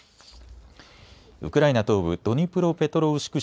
ウクライナ東部ドニプロペトロウシク